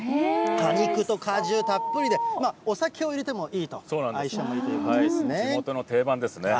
果肉と果汁たっぷりで、お酒を入れてもいいと、相性もいいという地元の定番ですね。